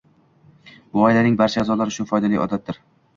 Bu oilaning barcha a’zolari uchun foydali odatdir.